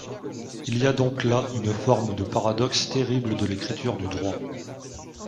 Il y a donc là une forme de paradoxe terrible de l’écriture du droit.